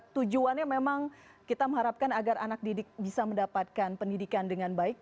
tujuannya memang kita mengharapkan agar anak didik bisa mendapatkan pendidikan dengan baik